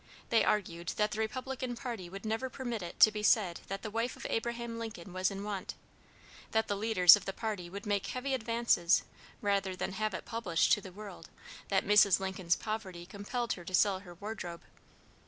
They argued that the Republican party would never permit it to be said that the wife of Abraham Lincoln was in want; that the leaders of the party would make heavy advances rather than have it published to the world that Mrs. Lincoln's poverty compelled her to sell her wardrobe.